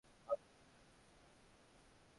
মানিমেগলাই, এদিকে আয় - কি বাবা?